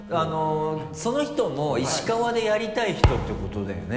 その人も石川でやりたい人っていうことだよね？